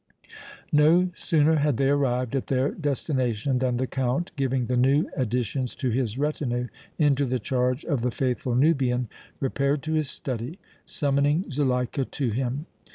No sooner had they arrived at their destination than the Count, giving the new additions to his retinue into the charge of the faithful Nubian, repaired to his study, summoning Zuleika to him.